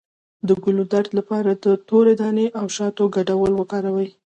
د ګلو درد لپاره د تورې دانې او شاتو ګډول وکاروئ